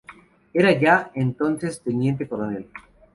Era ya, entonces, teniente coronel.